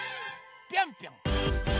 ぴょんぴょん！